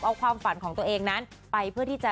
เอาความฝันของตัวเองนั้นไปเพื่อที่จะ